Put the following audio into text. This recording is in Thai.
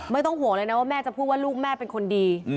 ไม่ต้องห่วงเลยนะว่าแม่จะพูดว่าลูกแม่เป็นคนดี